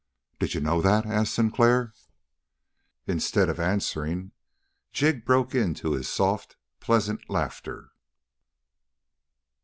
"Did you know that?" asked Sinclair. Instead of answering, Jig broke into his soft, pleasant laughter.